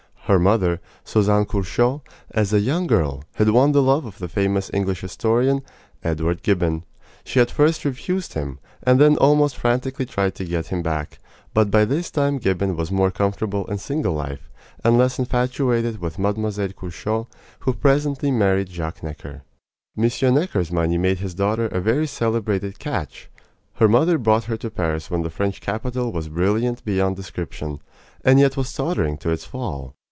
Her mother, Suzanne Curchod, as a young girl, had won the love of the famous English historian, Edward Gibbon. She had first refused him, and then almost frantically tried to get him back; but by this time Gibbon was more comfortable in single life and less infatuated with Mlle. Curchod, who presently married Jacques Necker. M. Necker's money made his daughter a very celebrated "catch." Her mother brought her to Paris when the French capital was brilliant beyond description, and yet was tottering to its fall.